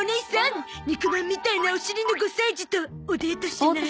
肉まんみたいなお尻の５歳児とおデートしない？